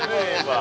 gue aja yang bau